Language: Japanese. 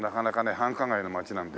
繁華街の町なので。